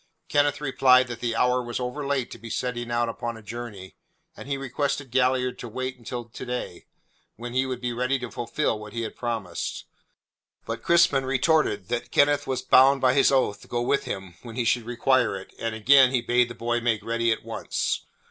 Kenneth replied that the hour was overlate to be setting out upon a journey, and he requested Galliard to wait until to day, when he would be ready to fulfil what he had promised. But Crispin retorted that Kenneth was bound by his oath to go with him when he should require it, and again he bade the boy make ready at once.